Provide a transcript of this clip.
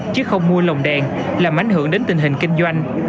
chứ không mua lồng đèn làm ảnh hưởng đến tình hình kinh doanh